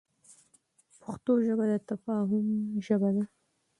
پښتو ژبه د تفاهم ژبه ده.